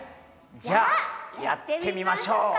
じゃあやってみましょうか！